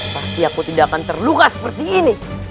pasti aku tidak akan terluka seperti ini